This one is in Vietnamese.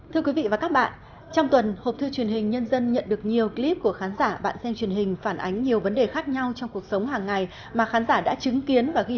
thưa quý vị và các bạn trong tuần hộp thư truyền hình nhân dân nhận được nhiều clip của khán giả bạn xem truyền hình phản ánh nhiều vấn đề khác nhau trong cuộc sống hàng ngày mà khán giả đã chứng kiến và ghi nhận